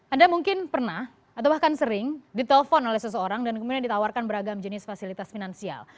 anda mungkin pernah atau bahkan sering ditelepon oleh seseorang dan kemudian ditawarkan beragam jenis fasilitas finansial